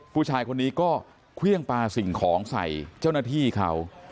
ผู้ชายคนนี้ก็เครื่องปลาสิ่งของใส่เจ้าหน้าที่เขา